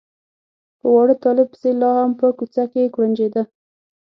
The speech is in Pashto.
په واړه طالب پسې لا هم په کوڅه کې کوړنجېده.